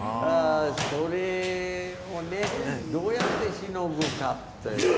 それをね、どうやってしのぐかって。